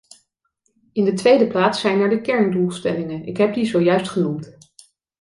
In de tweede plaats zijn er de kerndoelstellingen; ik heb die ik zojuist genoemd.